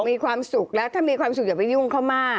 มีความสุขแล้วถ้ามีความสุขอย่าไปยุ่งเขามาก